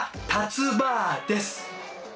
たつ婆です。